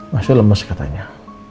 masih lemes katanya